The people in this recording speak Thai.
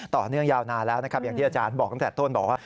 ยาวนานแล้วนะครับอย่างที่อาจารย์บอกตั้งแต่ต้นบอกว่า